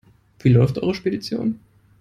Wie läuft eure Spedition?